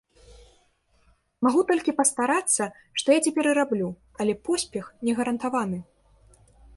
Магу толькі пастарацца, што я цяпер і раблю, але поспех не гарантаваны.